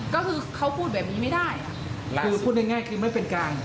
คือพูดง่ายคือไม่เป็นกลาง